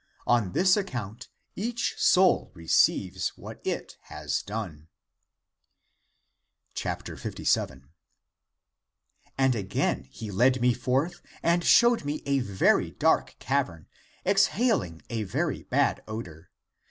On this account each soul receives what it has done. 57. " And again he led me forth and showed me a very dark cavern, exhaling a very bad odor.